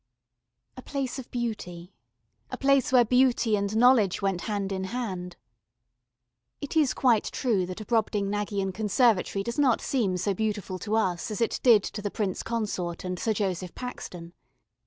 A place of beauty, a place where beauty and knowledge went hand in hand. It is quite true that a Brobdingnagian Conservatory does not seem so beautiful to us as it did to the Prince Consort and Sir Joseph Paxton.